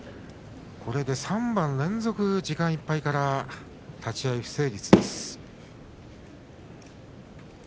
これで３番連続時間いっぱいから立ち合い不成立です。